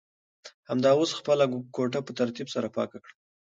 همدا اوس خپله کوټه په ترتیب سره پاکه کړه.